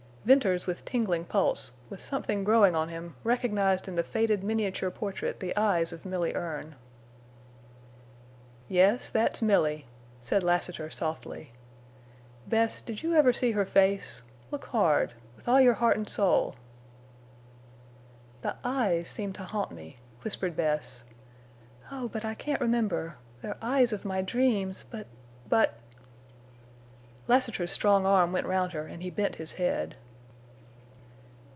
Venters, with tingling pulse, with something growing on him, recognized in the faded miniature portrait the eyes of Milly Erne. "Yes, that's Milly," said Lassiter, softly. "Bess, did you ever see her face—look hard—with all your heart an' soul?" "The eyes seem to haunt me," whispered Bess. "Oh, I can't remember—they're eyes of my dreams—but—but—" Lassiter's strong arm went round her and he bent his head.